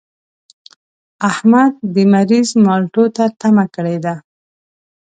احمد د مريض مالټو ته تمه کړې ده.